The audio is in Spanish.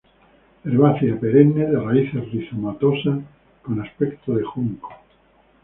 Herbácea perenne de raíces rizomatosas con aspecto de junco.